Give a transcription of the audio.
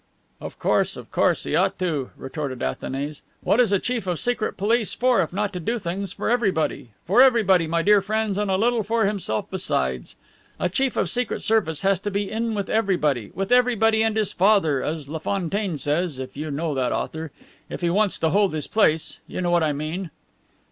"Of course, of course; he ought to," retorted Athanase. "What is a chief of Secret Service for if not to do things for everybody? For everybody, my dear friends, and a little for himself besides. A chief of Secret Service has to be in with everybody, with everybody and his father, as La Fontaine says (if you know that author), if he wants to hold his place. You know what I mean."